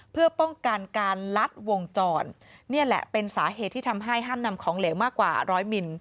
เพื่อป้องกันการลัดวงจรนี่แหละเป็นสาเหตุที่ทำให้ห้ามนำของเหลวมากกว่าร้อยมิล